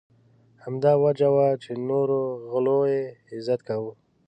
همدا وجه وه چې نورو غلو یې عزت کاوه.